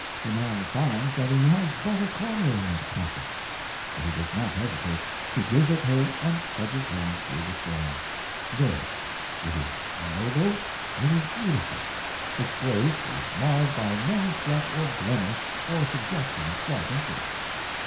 The man finds that he has a quarter in his pocket, but he does not hesitate: he gives it her and trudges home through the storm. There—it is noble, it is beautiful; its grace is marred by no fleck or blemish or suggestion of self interest.